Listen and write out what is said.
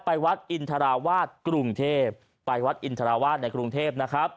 วัดอินทราวาสกรุงเทพไปวัดอินทราวาสในกรุงเทพนะครับ